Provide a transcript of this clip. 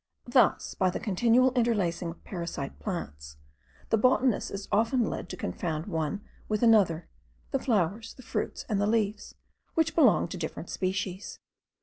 Thus, by the continual interlacing of parasite plants, the botanist is often led to confound one with another, the flowers, the fruits, and leaves, which belong to different species.